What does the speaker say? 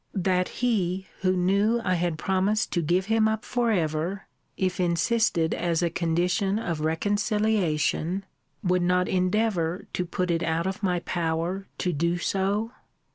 That he, who knew I had promised to give him up for ever, if insisted as a condition of reconciliation, would not endeavour to put it out of my power to do so?